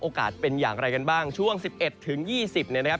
เป็นอย่างไรกันบ้างช่วง๑๑ถึง๒๐เนี่ยนะครับ